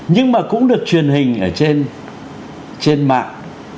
nhưng mà cũng được truyền hình ở trên mạng